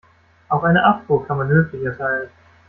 Auch eine Abfuhr kann man höflich erteilen.